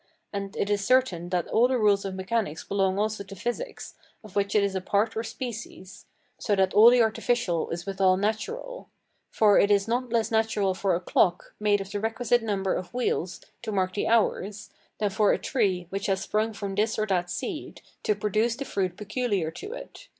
And it is certain that all the rules of mechanics belong also to physics, of which it is a part or species, [so that all that is artificial is withal natural]: for it is not less natural for a clock, made of the requisite number of wheels, to mark the hours, than for a tree, which has sprung from this or that seed, to produce the fruit peculiar to it.